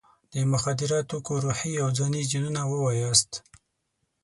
د مخدره توکو روحي او ځاني زیانونه ووایاست.